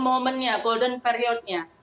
momennya golden periodnya